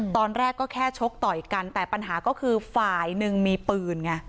ตอนแรกก็แค่ชกต่อยกันแต่ปัญหาก็คือฝ่ายหนึ่งมีปืนไง